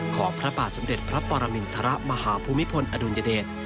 ของพระบาทสมเด็จพระปรมินทรมาฮภูมิพลอดุลยเดช